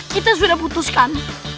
kita sudah putuskan